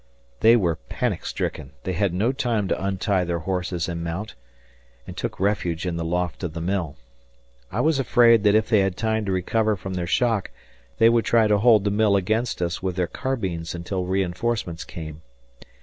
They were panicstricken they had no time to untie their horses and mount and took refuge in the loft of the mill. I was afraid that if they had time to recover from their shock, they would try to hold the mill against us with their carbines until reinforcements came.